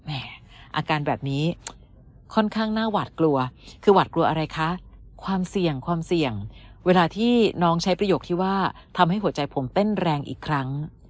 อาการแบบนี้ค่อนข้างน่าหวาดกลัวคือหวาดกลัวอะไรคะความเสี่ยงความเสี่ยงเวลาที่น้องใช้ประโยคที่ว่าทำให้หัวใจผมเต้นแรงอีกครั้ง